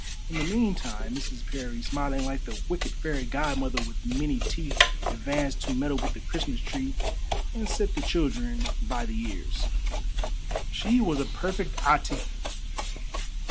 In the meantime Mrs. Parry, smiling like the wicked fairy godmother with many teeth, advanced to meddle with the Christmas tree and set the children by the ears. She was a perfect Atê.